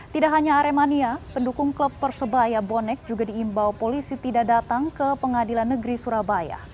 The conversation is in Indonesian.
tidak hanya aremania pendukung klub persebaya bonek juga diimbau polisi tidak datang ke pengadilan negeri surabaya